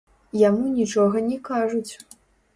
Яму нічога не кажуць.